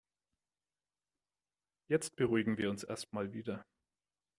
Jetzt beruhigen wir uns erstmal wieder.